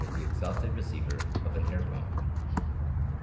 ^ exhausted receiver of an air pump.